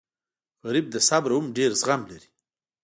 غریب له صبره هم ډېر زغم لري